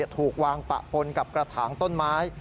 ถูกวางปะปนกับกระถางต้นไม้